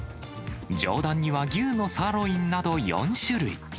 上段には牛のサーロインなど４種類。